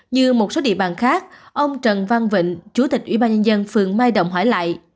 như một số địa bàn khác ông trần văn vịnh chủ tịch ubnd phường mai động hỏi lại